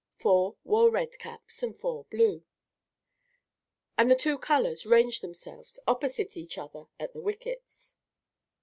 Four wore red caps, and four blue; and the two colors ranged themselves opposite each other at the wickets.